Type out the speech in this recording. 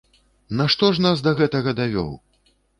Нашто ж нас да гэтага давёў?